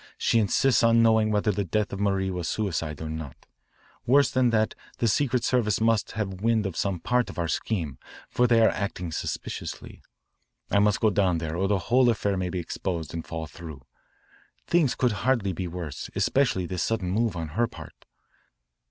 She insists on knowing whether the death of Marie was a suicide or not. Worse than that the Secret Service must have wind of some part of our scheme, for they are acting suspiciously. I must go down there or the whole affair may be exposed and fall through. Things could hardly be worse, especially this sudden move on her part."